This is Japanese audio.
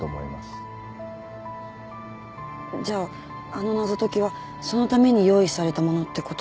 じゃああの謎解きはそのために用意されたものってこと？